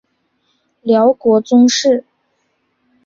辽国宗室。